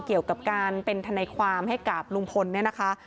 เกี่ยวกับการเป็นทนายความให้กับลุงพลเนี่ยนะคะ